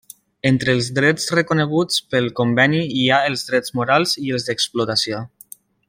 Entre els drets reconeguts pel conveni hi ha els drets morals i els d'explotació.